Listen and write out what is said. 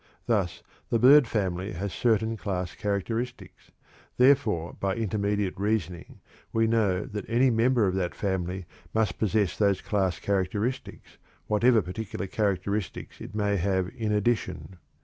Thus, the bird family has certain class characteristics, therefore by immediate reasoning we know that any member of that family must possess those class characteristics, whatever particular characteristics it may have in addition.